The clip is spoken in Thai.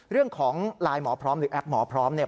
เรื่องของไลน์หมอพร้อมหรือแอปหมอพร้อมเนี่ย